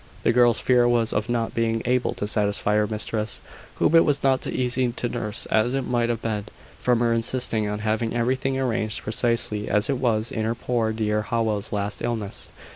The girl's fear was of not being able to satisfy her mistress, whom it was not so easy to nurse as it might have been, from her insisting on having everything arranged precisely as it was in her poor dear Howell's last illness.